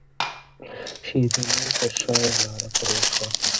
شیرینو تر شایه ناره پر وکړه.